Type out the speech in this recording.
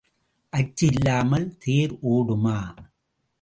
அச்சு இல்லாமல் தேர் ஓடுமா?